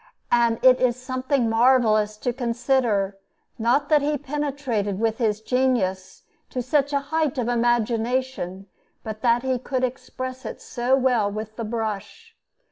And it is something marvellous to consider, not that he penetrated with his genius to such a height of imagination, but that he could express it so well with the brush.